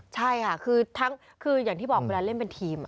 ใช่ค่ะคืออย่างที่บอกเวลาเล่นเป็นทีม